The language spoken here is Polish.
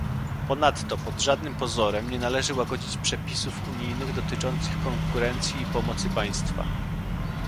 Ponadto pod żadnym pozorem nie należy łagodzić przepisów unijnych dotyczących konkurencji i pomocy państwa